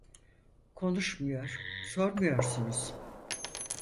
Konuşmuyor, sormuyorsunuz.